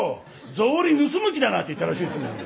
草履盗む気だな」って言ったらしいですね。